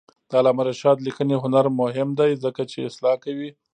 د علامه رشاد لیکنی هنر مهم دی ځکه چې اصلاح کوي.